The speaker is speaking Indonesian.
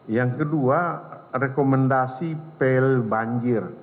yang kedua rekomendasi pel banjir